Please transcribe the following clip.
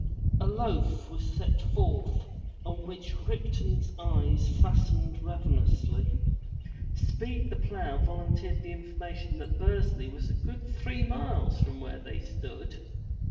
A loaf was set forth, on which Ripton's eyes fastened ravenously. Speed the Plow volunteered the information that Bursley was a good three miles from where they stood.